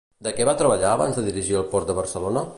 De què va treballar abans de dirigir el Port de Barcelona?